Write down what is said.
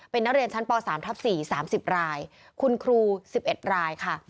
เป็นนักเรียนชั้นป๓ทับ๔๓๐รายคุณครู๑๑รายค่ะ